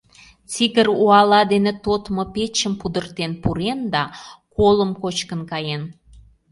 Тигр уала дене тодмо печым пудыртен пурен да колым кочкын каен.